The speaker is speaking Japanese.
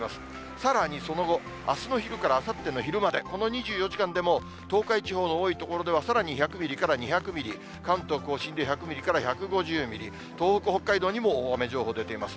さらにその後、あすの昼からあさっての昼まで、この２４時間でも、東海地方の多い所では、さらに１００ミリから２００ミリ、関東甲信で１００ミリから１５０ミリ、東北、北海道にも大雨情報出ています。